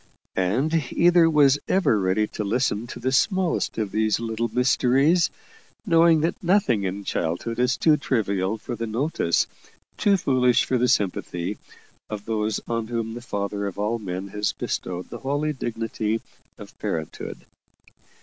And either was ever ready to listen to the smallest of these little mysteries, knowing that nothing in childhood is too trivial for the notice, too foolish for the sympathy, of those on whom the Father of all men has bestowed the holy dignity of parenthood.